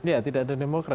ya tidak ada demokrat